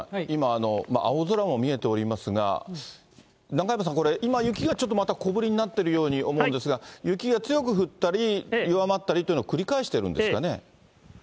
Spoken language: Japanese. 今、青空も見えておりますが、中山さん、今これ、雪がちょっと小降りになっているように思うんですが、雪が強く降ったり、弱まったりっていうのを繰り返してるんですかね。